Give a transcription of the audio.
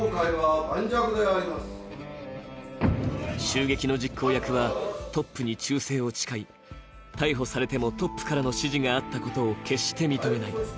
襲撃の実行役はトップに忠誠を誓い逮捕されてもトップからの指示があったことを決して認めない。